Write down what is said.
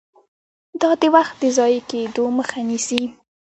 دا د وخت د ضایع کیدو مخه نیسي.